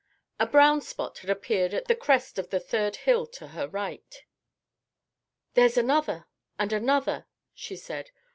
A brown spot had appeared at the crest of the third hill to her right. "There's another and another," she said.